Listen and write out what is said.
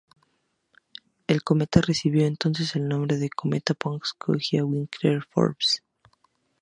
El cometa recibió entonces el nombre "Cometa Pons-Coggia-Winnecke-Forbes".